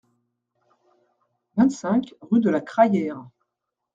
vingt-cinq rue de la Crayere